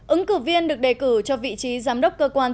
ứng cử viên được đề cử cho vị trí giám đốc cơ quan